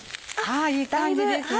いい感じですね。